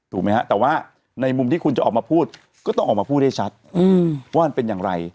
ไหมฮะแต่ว่าในมุมที่คุณจะออกมาพูดก็ต้องออกมาพูดให้ชัดว่ามันเป็นอย่างไร